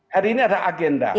hari ini ada agenda